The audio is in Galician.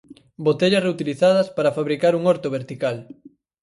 Botellas reutilizadas para fabricar un horto vertical.